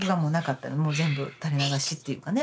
全部垂れ流しっていうかね